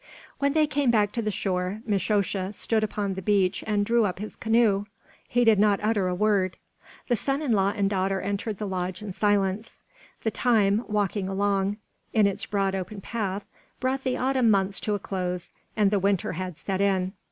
When they came back to the shore, Mishosha stood upon the beach and drew up his canoe. He did not utter a word. The son in law and daughter entered the lodge in silence. The time, walking along in its broad open path, brought the autumn months to a close, and the winter had set in.